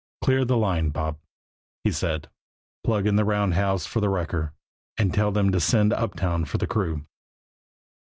"Clear the line, Bob," he said. "Plug in the round house for the wrecker and tell them to send uptown for the crew."